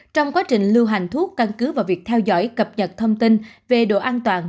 trong quá trình lưu hành thuốc căn cứ vào việc theo dõi cập nhật thông tin về độ an toàn